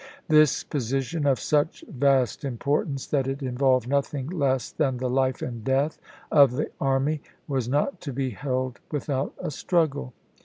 This position, of such vast importance that it involved nothing less than the life and death of the army, was not to be held mthout a struggle.